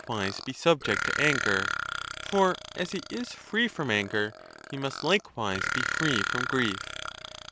wise be subject to anger; for as he is free from anger, he must likewise be free from grief.